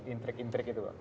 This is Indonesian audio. intrik intrik itu pak